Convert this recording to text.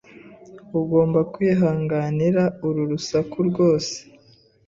Ugomba kwihanganira uru rusaku rwose.